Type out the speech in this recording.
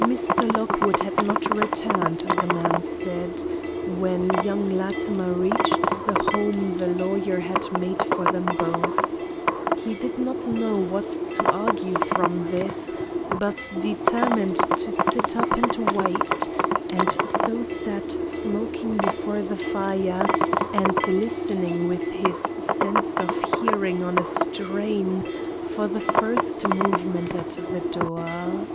Mr. Lockwood had not returned, the man said, when young Latimer reached the home the lawyer had made for them both. He did not know what to argue from this, but determined to sit up and wait, and so sat smoking before the fire and listening with his sense of hearing on a strain for the first movement at the door.